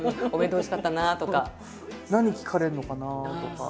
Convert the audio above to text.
「何聞かれるのかな？」とか。